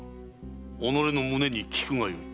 己の胸に聞くがよい。